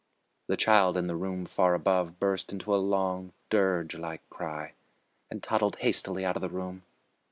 The child in the room far above burst into a long, dirge like cry, and toddled hastily out of the room.